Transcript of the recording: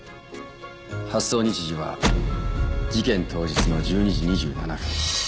発送日時は事件当日の１２時２７分。